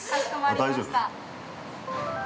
◆あ、大丈夫？